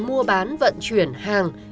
mua bán vận chuyển hàng